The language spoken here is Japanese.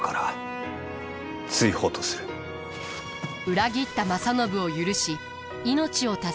裏切った正信を許し命を助けた家康。